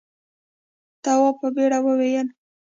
تواب په بېره وویل.